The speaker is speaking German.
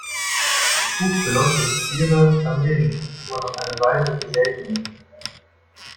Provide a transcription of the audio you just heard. Das Buch beleuchtet queere Familienstrukturen auf eine Weise, die selten ist.